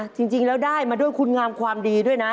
จริงแล้วได้มาด้วยคุณงามความดีด้วยนะ